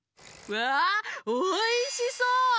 わあおいしそう！